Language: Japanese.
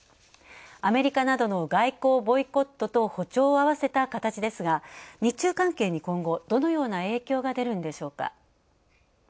アメリカなどの外交ボイコットと歩調を合わせた形ですが日中関係に今後、どのような影響が出るんでしょうか。